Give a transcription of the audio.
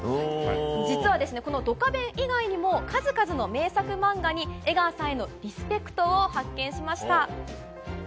実は、「ドカベン」以外にも数々の名作漫画に江川さんのリスペクトを発見しました。